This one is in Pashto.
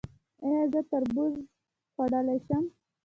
ایا زه تربوز خوړلی شم؟